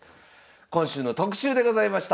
今週の特集でございました。